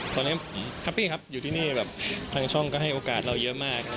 ตอนนี้แฮปปี้ครับอยู่ที่นี่แบบทางช่องก็ให้โอกาสเราเยอะมาก